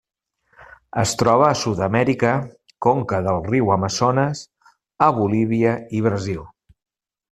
Es troba a Sud-amèrica: conca del riu Amazones a Bolívia i Brasil.